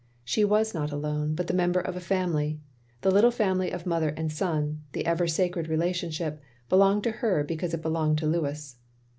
She' was not alone, but the member of a family. The little family of mother and son— the ever sacred relationship— belonged to her because it belonged to Louis.